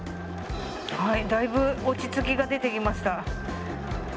はいだいぶ落ち着きが出てきました。